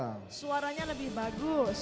suaranya lebih bagus